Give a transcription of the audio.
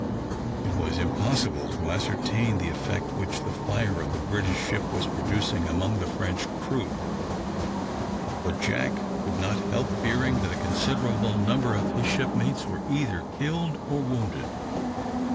It was impossible to ascertain the effect which the fire of the British ship was producing among the French crew, but Jack could not help fearing that a considerable number of his shipmates were either killed or wounded.